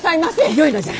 よいのじゃ！